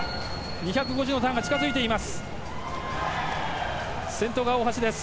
２５０ｍのターンが近付いています。